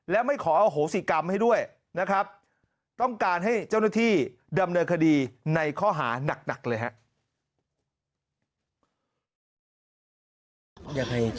และไม่ขออโหสิกรรมให้ด้วยนะครับต้องการให้เจ้าหน้าที่ดำเนินคดีในข้อหานักเลยครับ